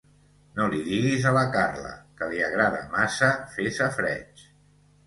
No li diguis a la Carla, que li agrada massa fer safareig.